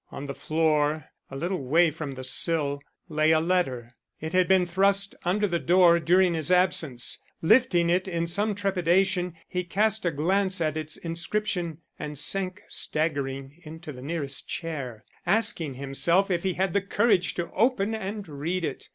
On the floor, a little way from the sill, lay a letter. It had been thrust under the door during his absence. Lifting it in some trepidation, he cast a glance at its inscription and sank staggering into the nearest chair, asking himself if he had the courage to open and read it.